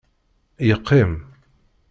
Yeqqim.